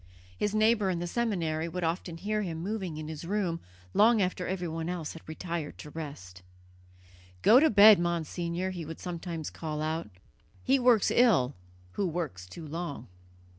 His neighbour in the seminary would often hear him moving in his room long after everyone else had retired to rest. "Go to bed, Monsignor," he would sometimes call out. "He works ill who works too long."